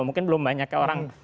mungkin belum banyak orang